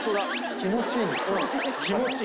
気持ちいい。